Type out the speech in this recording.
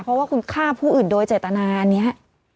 เพราะว่าคุณฆ่าผู้อื่นโดยเจตนาอันนี้